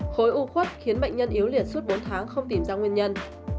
khối u khuất khiến bệnh nhân yếu liệt suốt bốn tháng không tìm ra nguyên nhân